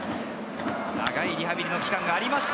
長いリハビリの期間がありました。